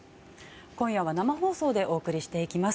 今夜は生放送でお送りしていきます。